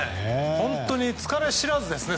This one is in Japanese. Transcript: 本当に疲れ知らずですね。